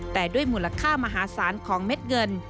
แต่ด้วยมูลค่ามหาศาลของเม็ดเงิน